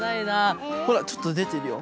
ほらちょっとでてるよ。